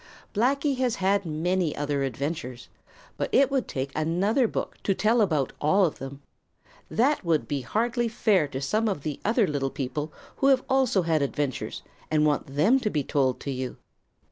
Blacky has had very many other adventures, but it would take another book to tell about all of them. That would be hardly fair to some of the other little people who also have had adventures and want them told to you.